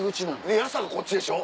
で八坂こっちでしょ？